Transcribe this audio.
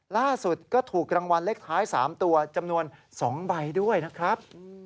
ล่าสุดก็ถูกรางวัลเลขท้าย๓ตัวจำนวน๒ใบด้วยนะครับ